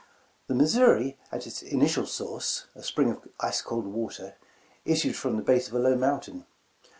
'' The Missouri at its initial source — a spring of ice cold water, issued from the base of a low mountain.